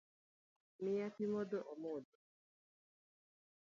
Miya pi modho amodhi.